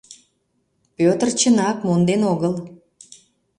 Пӧтыр, чынак, монден огыл.